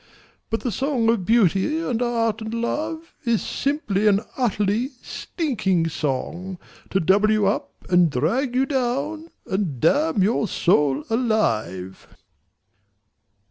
But the song of Beauty and Art and Love Is simply an utterly stinking song, To double you up and drag you down And damn your soul alive.